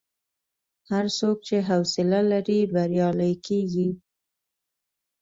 هر څوک چې حوصله لري، بریالی کېږي.